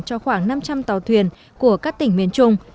cho khoảng năm trăm linh tàu thuyền của các tỉnh miền trung